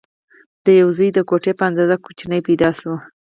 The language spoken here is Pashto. د دیو زوی د ګوتې په اندازه کوچنی پیدا شو.